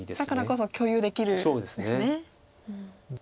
だからこそ共有できるんですね。